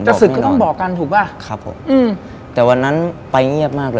ศึกก็ต้องบอกกันถูกป่ะครับผมอืมแต่วันนั้นไปเงียบมากเลย